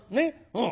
うん。